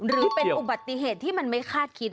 หรือเป็นอุบัติเหตุที่มันไม่คาดคิด